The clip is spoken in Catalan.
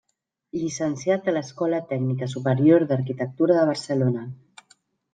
Llicenciat a l'Escola Tècnica Superior d'Arquitectura de Barcelona.